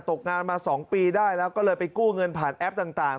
ตกงานมา๒ปีได้แล้วก็เลยไปกู้เงินผ่านแอปต่าง